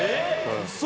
嘘？